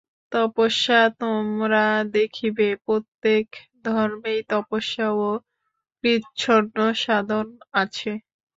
তপস্যা তোমরা দেখিবে, প্রত্যেক ধর্মেই তপস্যা ও কৃচ্ছ্রসাধন আছে।